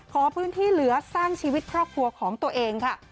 ขอพื้นที่เหลือสร้างชีวิตครอบครัวของตัวเองค่ะ